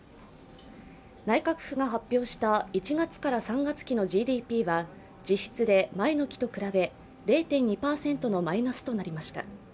内閣府が発表した１月から３月期のＧＤＰは実質で前の期と比べ、０．２％のマイナスとなりました。